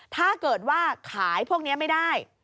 ถ้าเกิดว่าขายพวกนี้ไม่ได้